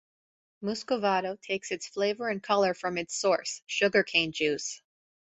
Muscovado takes its flavor and color from its source, sugarcane juice.